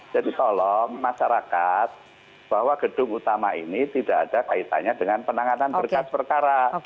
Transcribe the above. jadi tolong masyarakat bahwa gedung utama ini tidak ada kaitannya dengan penanganan berkas perkara